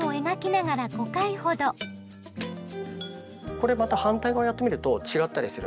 これまた反対側をやってみると違ったりするので。